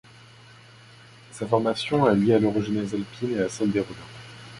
Sa formation est liée à l'orogenèse alpine et à celle des Rhodopes.